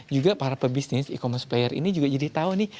juga para pebisnis e commerce player ini juga jadi tahu nih